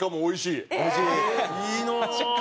いいなあ！